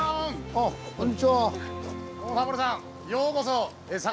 あっこんにちは。